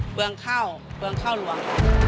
เมืองเข้าเมืองเข้าหลวง